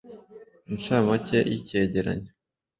Incamake y'icyegeranyo